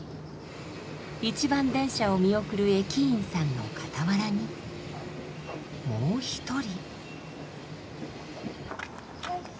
一番電車を見送る駅員さんの傍らにもう一人。